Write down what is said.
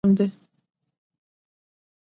کلتور د افغانستان د چاپیریال ساتنې لپاره مهم دي.